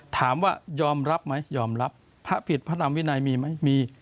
ถามว่ายอมรับไหมยอมรับพระผิดพระนามวินัยมีไหมมี